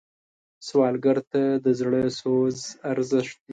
سوالګر ته د زړه سوز ارزښت لري